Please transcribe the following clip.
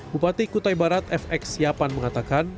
bupati kutai barat fx siapan mengatakan